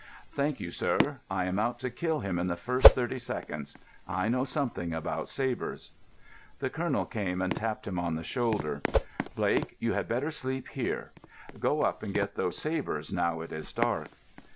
"Thank you, sir. I am out to kill him in the first thirty seconds. I know something about sabres." The colonel came and tapped him on the shoulder. "Blake, you had better sleep here. Go up and get those sabres now it is dark."